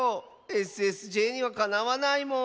ＳＳＪにはかなわないもん。